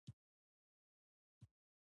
دا فضا د ځان باور پیاوړې کوي.